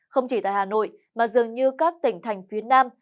không chỉ tại hà nội mà dường như các tỉnh thành phía nam